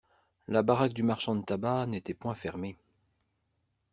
La baraque du marchand de tabac n'était point fermée.